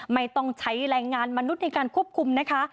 ไม่ต้องใช้แรงงานมนุษย์ในการควบคุมนะคะ